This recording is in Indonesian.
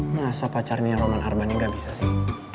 masa pacarnya roman arbani ga bisa sih